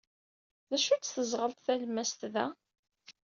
D acu-tt teẓɣelt talemmast da?